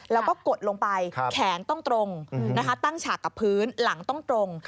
แล้วก็กดลงไปแขนต้องตรงตั้งฉากกับพื้นหลังต้องตรง